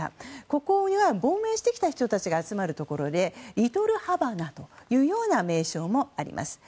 ここは亡命してきた人たちが集まるところでリトルハバナというような名称もあります。